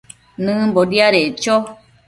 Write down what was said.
nëmbo diadeccho